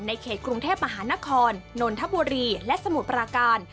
เขตกรุงเทพมหานครนนทบุรีและสมุทรปราการ